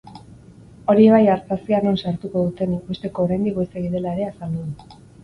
Hori bai artazia non sartuko duten ikusteko oraindik goizegi dela ere azaldu du.